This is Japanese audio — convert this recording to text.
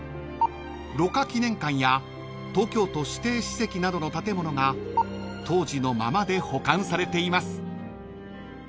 ［蘆花記念館や東京都指定史跡などの建物が当時のままで保管されています］